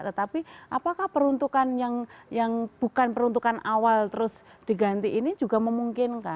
tetapi apakah peruntukan yang bukan peruntukan awal terus diganti ini juga memungkinkan